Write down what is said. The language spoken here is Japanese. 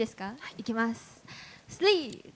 行きます。